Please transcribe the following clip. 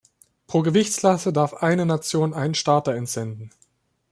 Pro Gewichtsklasse darf eine Nation einen Starter entsenden.